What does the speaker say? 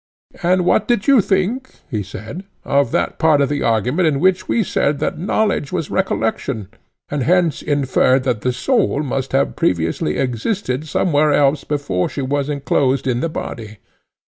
And what did you think, he said, of that part of the argument in which we said that knowledge was recollection, and hence inferred that the soul must have previously existed somewhere else before she was enclosed in the body?